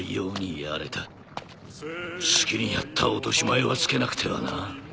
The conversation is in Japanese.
好きにやった落としまえはつけなくてはな。